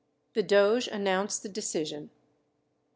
The doge announced the decision.